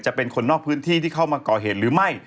เป็นคนนอกพื้นที่ที่เข้ามาก่อเหตุหรือไม่